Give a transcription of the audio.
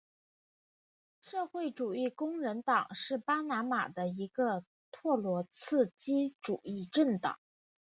社会主义工人党是巴拿马的一个托洛茨基主义政党。